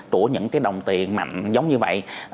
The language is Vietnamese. của những đồng tiền mạnh giống như vậy